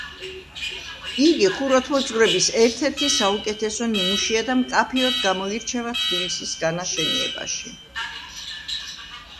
იგი ხუროთმოძღვრების ერთ-ერთი საუკეთესო ნიმუშია და მკაფიოდ გამოირჩევა თბილისის განაშენიანებაში.